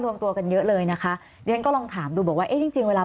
รวมตัวกันเยอะเลยนะคะยังก็ลองถามดูบอกว่าเอ๊ะจริงเวลา